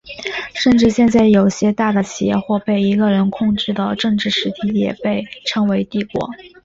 甚至现在有些大的企业或被一个人控制的政治实体也被称为帝国。